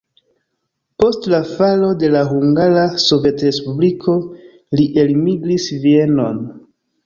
Post la falo de la Hungara Sovetrespubliko li elmigris Vienon.